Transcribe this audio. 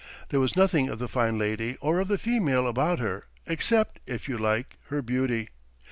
There was nothing of the fine lady or of the female about her, except if you like her beauty!